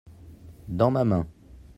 dans ma main.